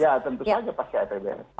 ya tentu saja pasti apbn